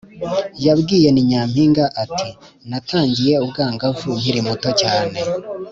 yabwiye “ni nyampinga”, ati “natangiye ubwangavu nkiri muto cyane